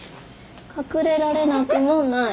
隠れられなくもない。